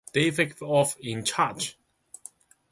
Davidoff in charge.